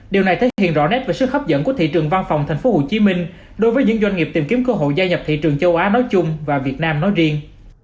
điều này thể hiện rõ nét về sức hấp dẫn của thị trường văn phòng thành phố hồ chí minh đối với những doanh nghiệp tìm kiếm cơ hội gia nhập thị trường châu á nói chung và việt nam nói riêng